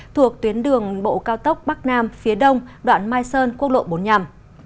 thuộc tuyến đường bộ cao tốc bắc nam phía đông đoạn mai sơn quốc lộ bốn nhằm